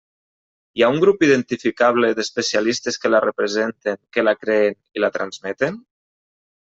Hi ha un grup identificable d'especialistes que la representen, que la creen i la transmeten?